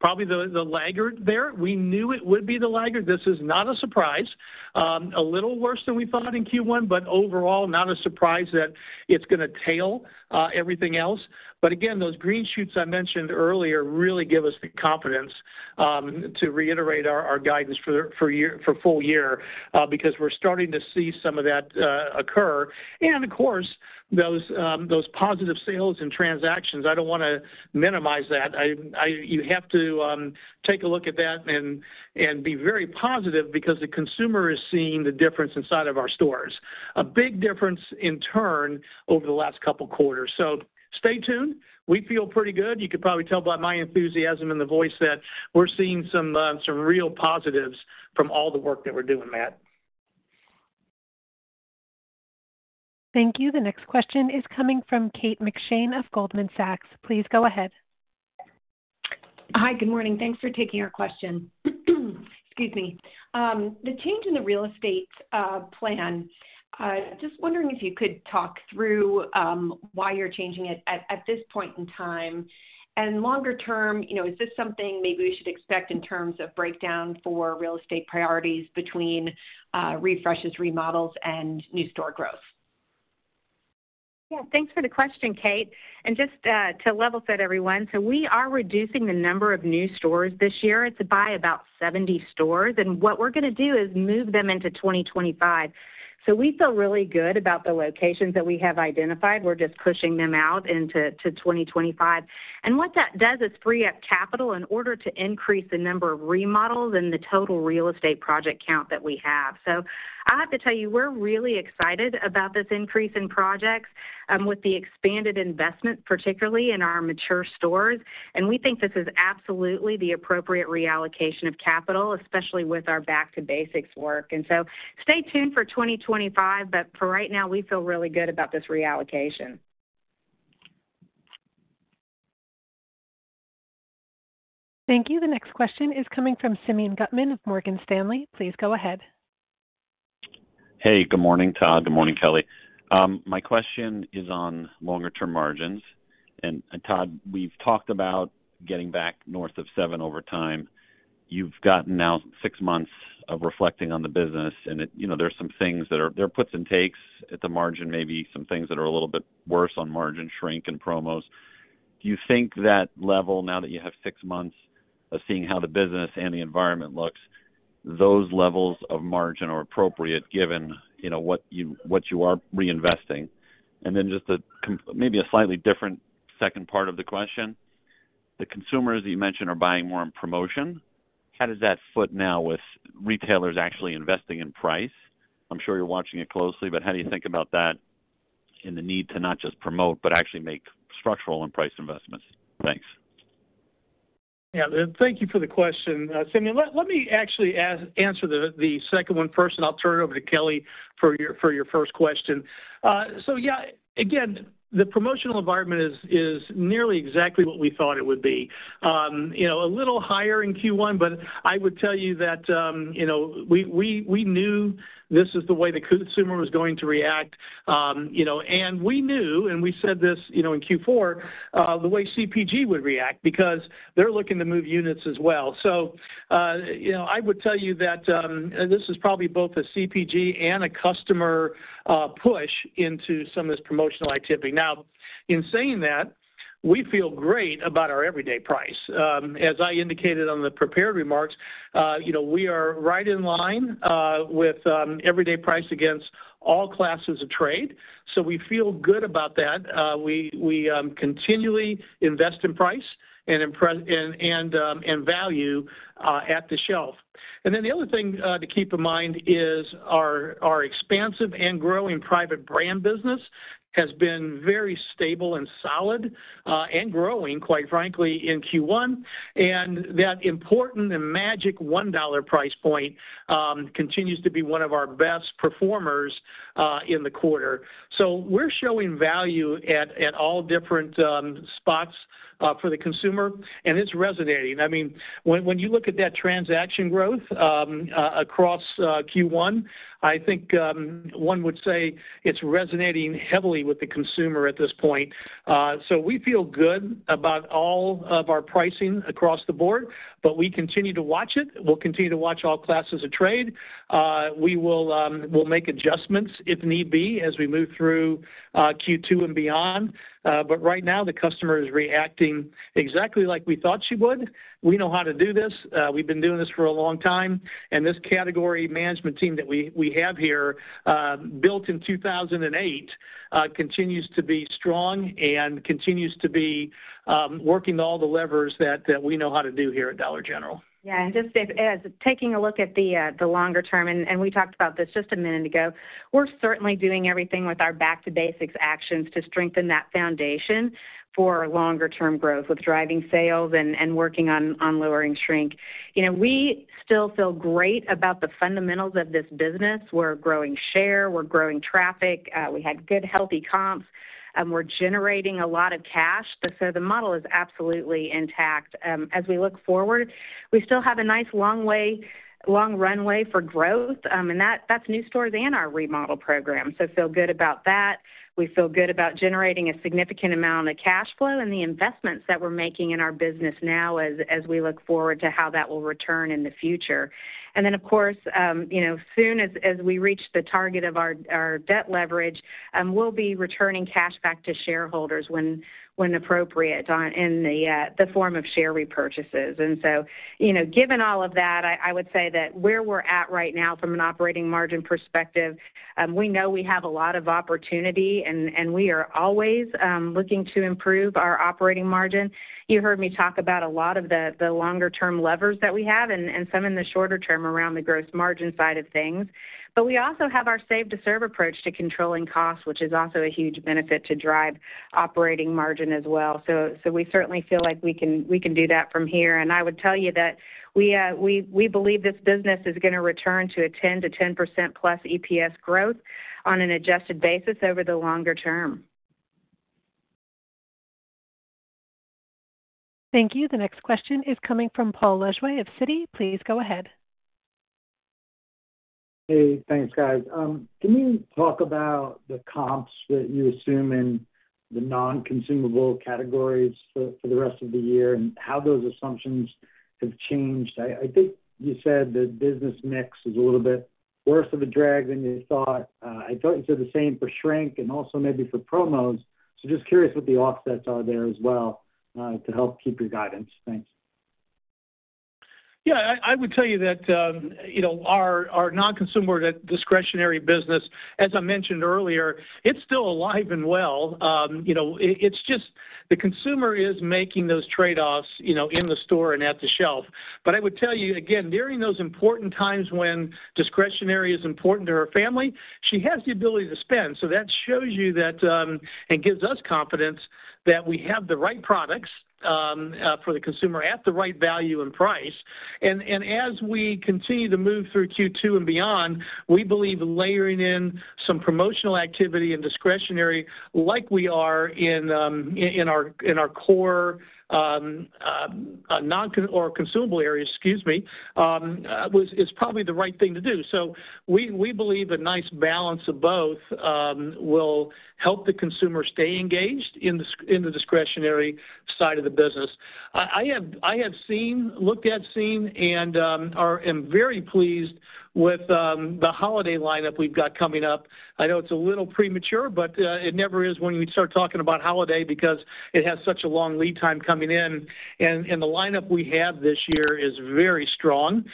probably the laggard there. We knew it would be the laggard. This is not a surprise. A little worse than we thought in Q1, but overall, not a surprise that it's gonna tail everything else. But again, those green shoots I mentioned earlier really give us the confidence to reiterate our guidance for full year because we're starting to see some of that occur. And of course, those positive sales and transactions, I don't wanna minimize that. You have to take a look at that and be very positive because the consumer is seeing the difference inside of our stores. A big difference, in turn, over the last couple of quarters. So stay tuned. We feel pretty good. You could probably tell by my enthusiasm in the voice that we're seeing some real positives from all the work that we're doing, Matt. Thank you. The next question is coming from Kate McShane of Goldman Sachs. Please go ahead. Hi, good morning. Thanks for taking our question. Excuse me. The change in the real estate plan, just wondering if you could talk through why you're changing it at this point in time. And longer term, you know, is this something maybe we should expect in terms of breakdown for real estate priorities between refreshes, remodels, and new store growth? Yeah, thanks for the question, Kate. And just to level set everyone, so we are reducing the number of new stores this year. It's by about 70 stores, and what we're gonna do is move them into 2025. So we feel really good about the locations that we have identified. We're just pushing them out into, to 2025. And what that does is free up capital in order to increase the number of remodels and the total real estate project count that we have. So I have to tell you, we're really excited about this increase in projects with the expanded investment, particularly in our mature stores. And we think this is absolutely the appropriate reallocation of capital, especially with our Back to Basics work. And so stay tuned for 2025, but for right now, we feel really good about this reallocation. Thank you. The next question is coming from Simeon Gutman of Morgan Stanley. Please go ahead. Hey, good morning, Todd. Good morning, Kelly. My question is on longer-term margins. And, Todd, we've talked about getting back north of seven over time. You've gotten now six months of reflecting on the business, and it—you know, there are puts and takes at the margin, maybe some things that are a little bit worse on margin shrink and promos. Do you think that level, now that you have six months of seeing how the business and the environment looks, those levels of margin are appropriate given, you know, what you are reinvesting? And then just maybe a slightly different second part of the question. The consumers that you mentioned are buying more in promotion. How does that foot now with retailers actually investing in price? I'm sure you're watching it closely, but how do you think about that and the need to not just promote, but actually make structural and price investments? Thanks. Yeah, thank you for the question, Simeon. Let me actually answer the second one first, and I'll turn it over to Kelly for your first question. So yeah, again, the promotional environment is nearly exactly what we thought it would be. You know, a little higher in Q1, but I would tell you that, you know, we knew this is the way the consumer was going to react. You know, and we knew, and we said this, you know, in Q4, the way CPG would react because they're looking to move units as well. So, you know, I would tell you that, this is probably both a CPG and a customer push into some of this promotional activity. Now, in saying that, we feel great about our everyday price. As I indicated on the prepared remarks, you know, we are right in line with everyday price against all classes of trade, so we feel good about that. We continually invest in price and value at the shelf. And then the other thing to keep in mind is our expansive and growing private brand business has been very stable and solid and growing, quite frankly, in Q1. And that important and magic $1 price point continues to be one of our best performers in the quarter. So we're showing value at all different spots for the consumer, and it's resonating. I mean, when you look at that transaction growth across Q1, I think one would say it's resonating heavily with the consumer at this point. So we feel good about all of our pricing across the board, but we continue to watch it. We'll continue to watch all classes of trade. We will, we'll make adjustments if need be, as we move through Q2 and beyond. But right now, the customer is reacting exactly like we thought she would. We know how to do this. We've been doing this for a long time, and this category management team that we have here, built in 2008, continues to be strong and continues to be working all the levers that we know how to do here at Dollar General. Yeah, and just as taking a look at the longer term, and we talked about this just a minute ago, we're certainly doing everything with our Back to Basics actions to strengthen that foundation for longer term growth, with driving sales and working on lowering shrink. You know, we still feel great about the fundamentals of this business. We're growing share, we're growing traffic. We had good, healthy comps, and we're generating a lot of cash. But so the model is absolutely intact. As we look forward, we still have a nice long runway for growth, and that's new stores and our remodel program, so feel good about that. We feel good about generating a significant amount of cash flow and the investments that we're making in our business now as we look forward to how that will return in the future. Then, of course, you know, as soon as we reach the target of our debt leverage, we'll be returning cash back to shareholders when appropriate, in the form of share repurchases. So, you know, given all of that, I would say that where we're at right now from an operating margin perspective, we know we have a lot of opportunity, and we are always looking to improve our operating margin. You heard me talk about a lot of the longer term levers that we have and some in the shorter term around the gross margin side of things. But we also have our Save to Serve approach to controlling costs, which is also a huge benefit to drive operating margin as well. So, so we certainly feel like we can, we can do that from here. And I would tell you that we, we, we believe this business is gonna return to a 10-10% plus EPS growth on an adjusted basis over the longer term. Thank you. The next question is coming from Paul Lejuez of Citi. Please go ahead. Hey, thanks, guys. Can you talk about the comps that you assume in the non-consumable categories for the rest of the year and how those assumptions have changed? I think you said the business mix is a little bit worse of a drag than you thought. I thought you said the same for shrink and also maybe for promos. So just curious what the offsets are there as well to help keep your guidance. Thanks. Yeah, I would tell you that, you know, our non-consumable discretionary business, as I mentioned earlier, it's still alive and well. You know, it's just the consumer is making those trade-offs, you know, in the store and at the shelf. But I would tell you again, during those important times when discretionary is important to her family, she has the ability to spend. So that shows you that, and gives us confidence that we have the right products for the consumer at the right value and price. And as we continue to move through Q2 and beyond, we believe layering in some promotional activity and discretionary like we are in our core non-consumable or consumable areas, excuse me, is probably the right thing to do. So we believe a nice balance of both will help the consumer stay engaged in the discretionary side of the business. I have seen, looked at, and am very pleased with the holiday lineup we've got coming up. I know it's a little premature, but it never is when you start talking about holiday because it has such a long lead time coming in. And the lineup we have this year is very strong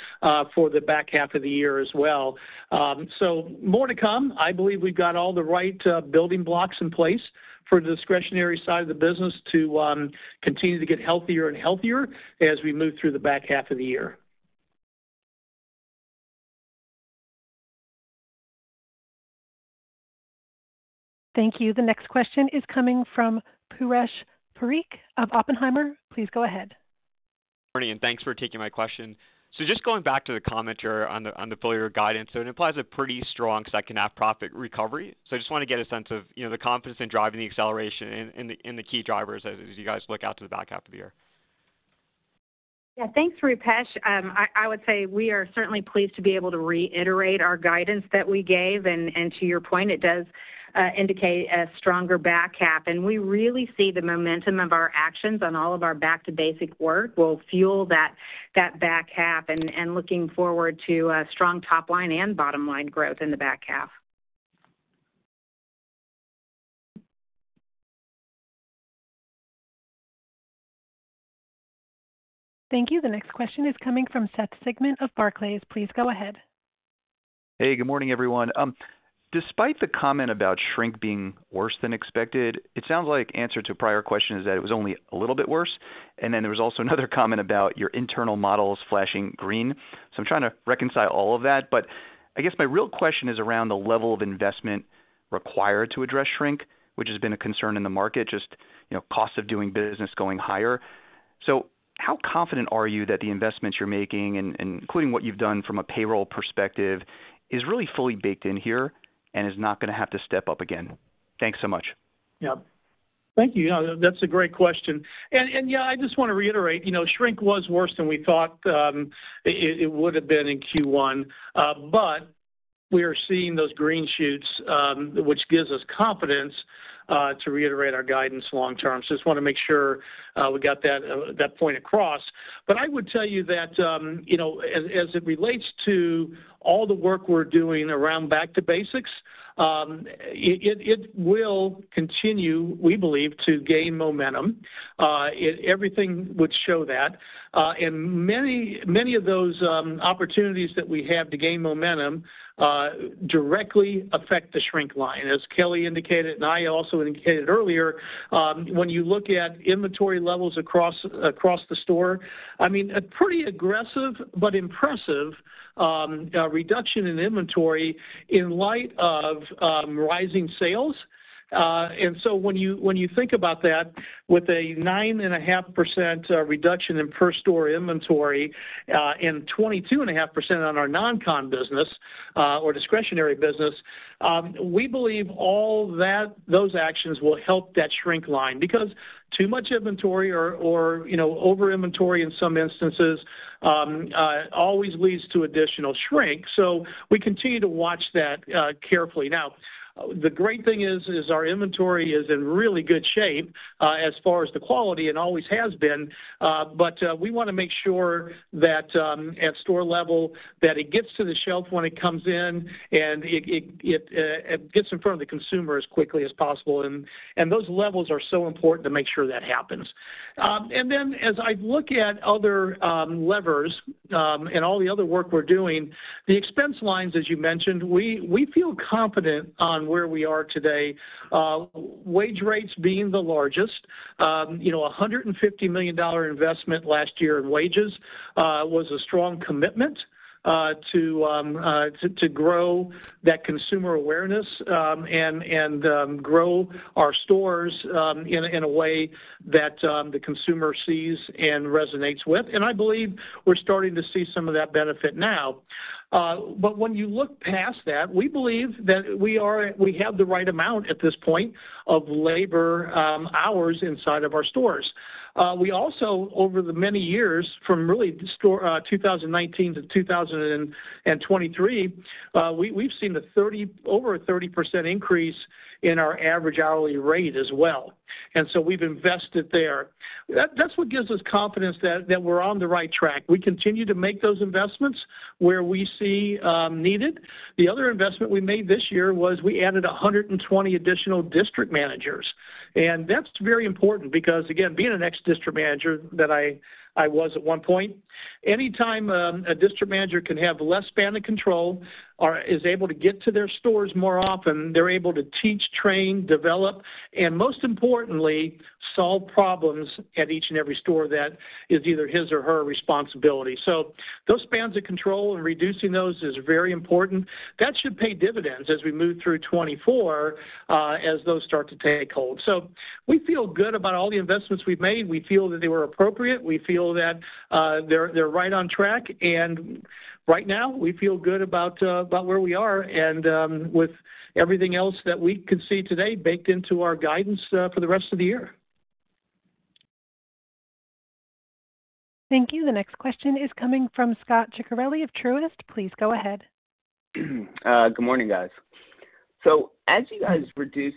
for the back half of the year as well. So more to come. I believe we've got all the right building blocks in place for the discretionary side of the business to continue to get healthier and healthier as we move through the back half of the year. Thank you. The next question is coming from Rupesh Parikh of Oppenheimer. Please go ahead. Morning, and thanks for taking my question. So just going back to the commentary on the, on the full year guidance. So it implies a pretty strong second half profit recovery. So I just want to get a sense of, you know, the confidence in driving the acceleration and, and the, and the key drivers as, as you guys look out to the back half of the year. Yeah, thanks, Rupesh. I would say we are certainly pleased to be able to reiterate our guidance that we gave. And to your point, it does indicate a stronger back half. And we really see the momentum of our actions on all of our Back to Basics work will fuel that back half, and looking forward to a strong top line and bottom line growth in the back half. Thank you. The next question is coming from Seth Sigman of Barclays. Please go ahead. Hey, good morning, everyone. Despite the comment about shrink being worse than expected, it sounds like answer to a prior question is that it was only a little bit worse. And then there was also another comment about your internal models flashing green. So I'm trying to reconcile all of that, but I guess my real question is around the level of investment required to address shrink, which has been a concern in the market, just, you know, cost of doing business going higher. So how confident are you that the investments you're making and, and including what you've done from a payroll perspective, is really fully baked in here and is not gonna have to step up again? Thanks so much. Yeah. Thank you. You know, that's a great question. Yeah, I just want to reiterate, you know, shrink was worse than we thought, it would have been in Q1. But we are seeing those green shoots, which gives us confidence to reiterate our guidance long term. So just want to make sure we got that point across. But I would tell you that, you know, as it relates to all the work we're doing around Back to Basics, it will continue, we believe, to gain momentum. It. Everything would show that. And many, many of those opportunities that we have to gain momentum directly affect the shrink line, as Kelly indicated, and I also indicated earlier. When you look at inventory levels across the store, I mean, a pretty aggressive but impressive reduction in inventory in light of rising sales. So when you think about that, with a 9.5% reduction in per store inventory, and 22.5% on our non-con business, or discretionary business, we believe all that, those actions will help that shrink line. Because too much inventory or, you know, over inventory in some instances always leads to additional shrink. So we continue to watch that carefully. Now, the great thing is our inventory is in really good shape, as far as the quality, and always has been. But we wanna make sure that at store level, that it gets to the shelf when it comes in, and it gets in front of the consumer as quickly as possible. And those levels are so important to make sure that happens. And then as I look at other levers, and all the other work we're doing, the expense lines, as you mentioned, we feel confident on where we are today, wage rates being the largest. You know, a $150 million dollar investment last year in wages was a strong commitment to grow that consumer awareness, and grow our stores in a way that the consumer sees and resonates with. And I believe we're starting to see some of that benefit now. But when you look past that, we believe that we have the right amount at this point of labor hours inside of our stores. We also, over the many years, from really the start of 2019 to 2023, we've seen over a 30% increase in our average hourly rate as well, and so we've invested there. That's what gives us confidence that we're on the right track. We continue to make those investments where we see needed. The other investment we made this year was we added 120 additional district managers, and that's very important because, again, being an ex-district manager, that I was at one point, anytime, a district manager can have less span of control or is able to get to their stores more often, they're able to teach, train, develop, and most importantly, solve problems at each and every store that is either his or her responsibility. So those spans of control and reducing those is very important. That should pay dividends as we move through 2024, as those start to take hold. So we feel good about all the investments we've made. We feel that they were appropriate. We feel that, they're right on track, and right now we feel good about about where we are and, with everything else that we can see today baked into our guidance, for the rest of the year. Thank you. The next question is coming from Scot Ciccarelli of Truist. Please go ahead. Good morning, guys. So as you guys reduce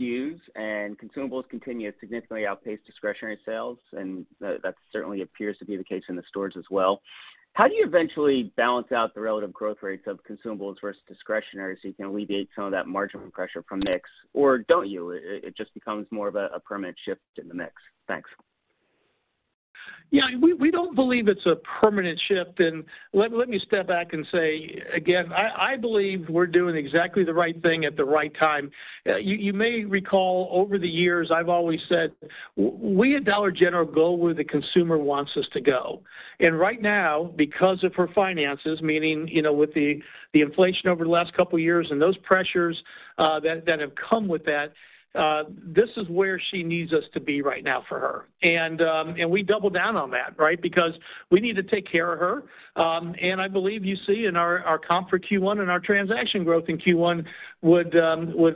SKUs and consumables continue to significantly outpace discretionary sales, and that certainly appears to be the case in the stores as well, how do you eventually balance out the relative growth rates of consumables versus discretionary, so you can alleviate some of that margin pressure from mix? Or don't you? It just becomes more of a permanent shift in the mix? Thanks. Yeah, we don't believe it's a permanent shift. Let me step back and say, again, I believe we're doing exactly the right thing at the right time. You may recall over the years, I've always said, we at Dollar General go where the consumer wants us to go. And right now, because of her finances, meaning, you know, with the inflation over the last couple of years and those pressures that have come with that, this is where she needs us to be right now for her. And we double down on that, right? Because we need to take care of her. And I believe you see in our comp for Q1 and our transaction growth in Q1 would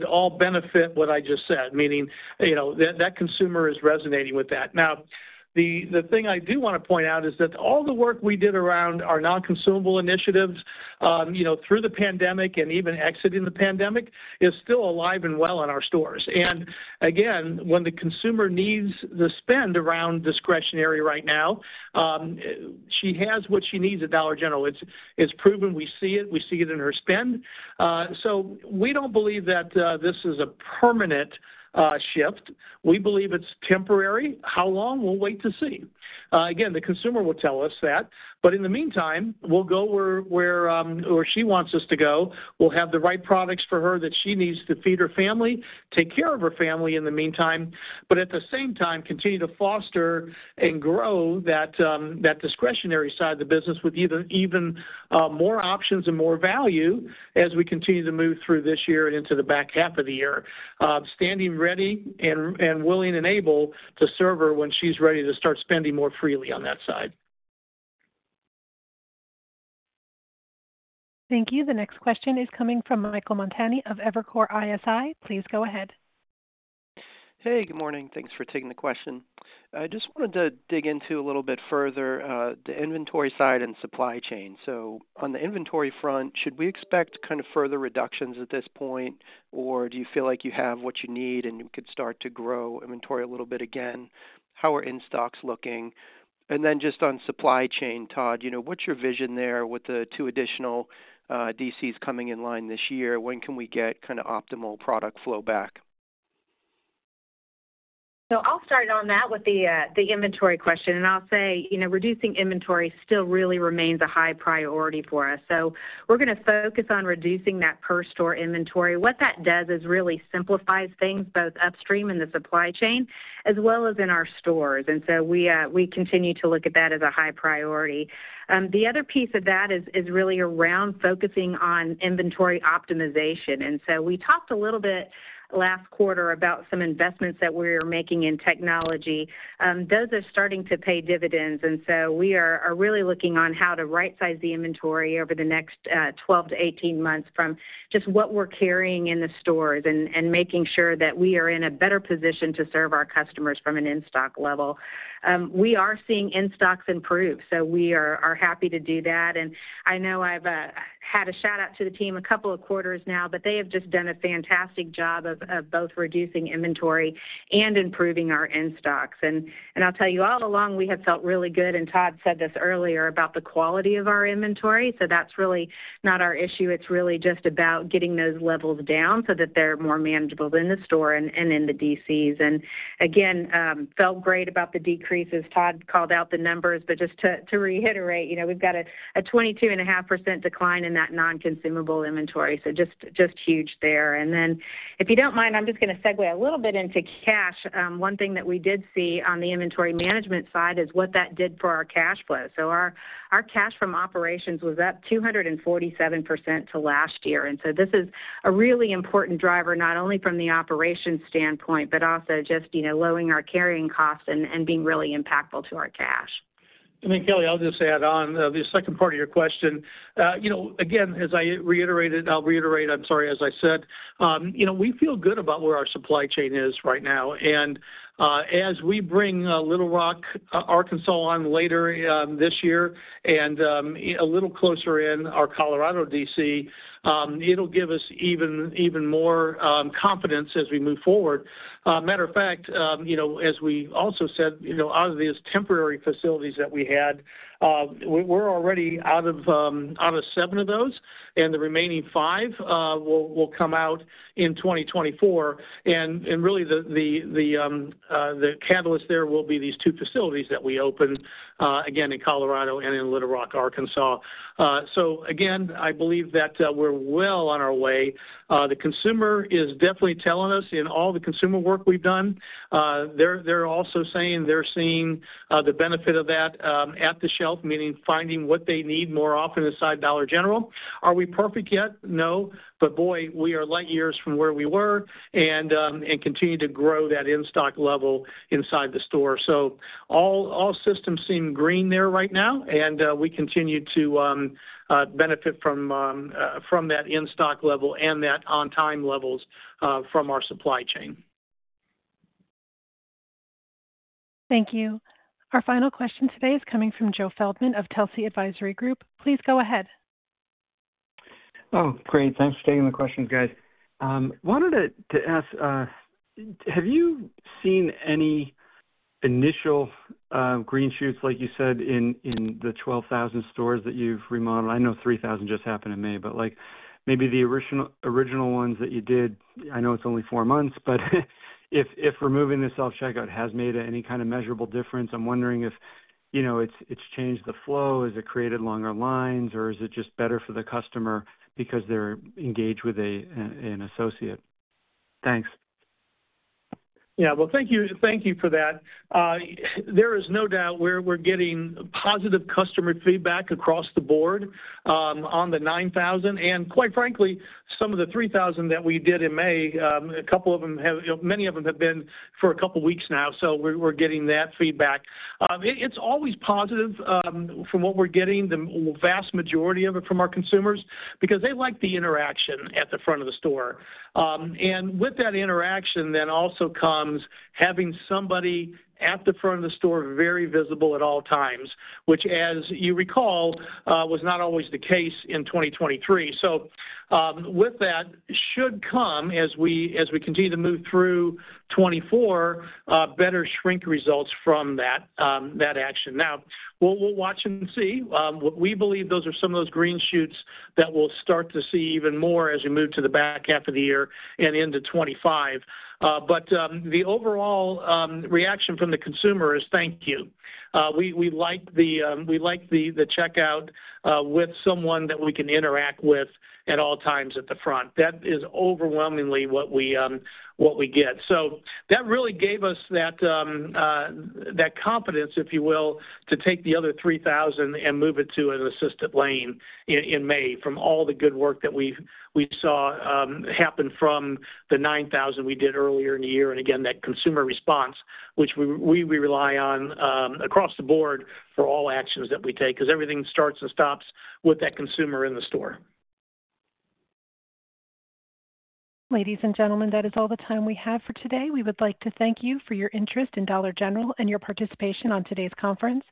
all benefit what I just said, meaning, you know, that consumer is resonating with that. Now, the thing I do want to point out is that all the work we did around our non-consumable initiatives, you know, through the pandemic and even exiting the pandemic, is still alive and well in our stores. And again, when the consumer needs to spend around discretionary right now, she has what she needs at Dollar General. It's proven, we see it, we see it in her spend. So we don't believe that this is a permanent shift. We believe it's temporary. How long? We'll wait to see. Again, the consumer will tell us that, but in the meantime, we'll go where she wants us to go. We'll have the right products for her that she needs to feed her family, take care of her family in the meantime, but at the same time, continue to foster and grow that discretionary side of the business with even more options and more value as we continue to move through this year and into the back half of the year. Standing ready and willing and able to serve her when she's ready to start spending more freely on that side. Thank you. The next question is coming from Michael Montani of Evercore ISI. Please go ahead. Hey, good morning. Thanks for taking the question. I just wanted to dig into a little bit further, the inventory side and supply chain. So on the inventory front, should we expect kind of further reductions at this point, or do you feel like you have what you need, and you could start to grow inventory a little bit again? How are in-stocks looking? And then just on supply chain, Todd, you know, what's your vision there with the two additional, DCs coming in line this year? When can we get kind of optimal product flow back? So I'll start on that with the inventory question, and I'll say, you know, reducing inventory still really remains a high priority for us. So we're going to focus on reducing that per store inventory. What that does is really simplifies things, both upstream in the supply chain as well as in our stores. And so we continue to look at that as a high priority. The other piece of that is really around focusing on inventory optimization. And so we talked a little bit last quarter about some investments that we're making in technology. Those are starting to pay dividends, and so we are really looking on how to right-size the inventory over the next 12-18 months from just what we're carrying in the stores and making sure that we are in a better position to serve our customers from an in-stock level. We are seeing in-stocks improve, so we are happy to do that. And I know I've had a shout-out to the team a couple of quarters now, but they have just done a fantastic job of both reducing inventory and improving our in-stocks. And I'll tell you, all along, we have felt really good, and Todd said this earlier, about the quality of our inventory, so that's really not our issue. It's really just about getting those levels down so that they're more manageable in the store and in the DCs. And again, felt great about the decreases. Todd called out the numbers, but just to reiterate, you know, we've got a 22.5% decline in that non-consumable inventory, so just huge there. And then, if you don't mind, I'm just going to segue a little bit into cash. One thing that we did see on the inventory management side is what that did for our cash flow. So our cash from operations was up 247% to last year. And so this is a really important driver, not only from the operations standpoint, but also just, you know, lowering our carrying costs and being really impactful to our cash. ... I mean, Kelly, I'll just add on, the second part of your question. You know, again, as I reiterated, I'll reiterate, I'm sorry, as I said, you know, we feel good about where our supply chain is right now. And, as we bring, Little Rock, Arkansas, on later, this year and, a little closer in our Colorado D.C., it'll give us even more confidence as we move forward. Matter of fact, you know, as we also said, you know, out of these temporary facilities that we had, we're already out of seven of those, and the remaining five will come out in 2024. And really, the catalyst there will be these two facilities that we opened again in Colorado and in Little Rock, Arkansas. So again, I believe that we're well on our way. The consumer is definitely telling us in all the consumer work we've done, they're also saying they're seeing the benefit of that at the shelf, meaning finding what they need more often inside Dollar General. Are we perfect yet? No. But boy, we are light years from where we were and continue to grow that in-stock level inside the store. So all systems seem green there right now, and we continue to benefit from that in-stock level and that on-time levels from our supply chain. Thank you. Our final question today is coming from Joe Feldman of Telsey Advisory Group. Please go ahead. Oh, great. Thanks for taking the questions, guys. Wanted to ask, have you seen any initial green shoots, like you said, in the 12,000 stores that you've remodeled? I know 3,000 just happened in May, but, like, maybe the original, original ones that you did, I know it's only 4 months, but if removing the self-checkout has made any kind of measurable difference, I'm wondering if, you know, it's changed the flow. Has it created longer lines, or is it just better for the customer because they're engaged with an associate? Thanks. Yeah. Well, thank you for that. There is no doubt we're getting positive customer feedback across the board on the 9,000, and quite frankly, some of the 3,000 that we did in May. A couple of them have—many of them have been for a couple of weeks now, so we're getting that feedback. It's always positive from what we're getting, the vast majority of it from our consumers, because they like the interaction at the front of the store. And with that interaction, then also comes having somebody at the front of the store, very visible at all times, which, as you recall, was not always the case in 2023. So, with that, should come as we continue to move through 2024, better shrink results from that action. Now, we'll watch and see. We believe those are some of those green shoots that we'll start to see even more as we move to the back half of the year and into 2025. But the overall reaction from the consumer is, "Thank you. We like the checkout with someone that we can interact with at all times at the front." That is overwhelmingly what we get. So that really gave us that confidence, if you will, to take the other 3,000 and move it to an assisted lane in May, from all the good work that we've seen happen from the 9,000 we did earlier in the year. Again, that consumer response, which we rely on, across the board for all actions that we take, because everything starts and stops with that consumer in the store. Ladies and gentlemen, that is all the time we have for today. We would like to thank you for your interest in Dollar General and your participation on today's conference.